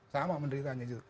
sama menderitanya gitu